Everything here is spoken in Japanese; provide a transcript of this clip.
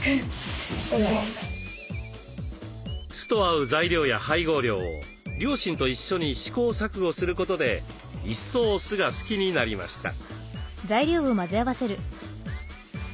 酢と合う材料や配合量を両親と一緒に試行錯誤することで一層酢が好きになりました。